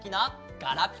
ガラピコ！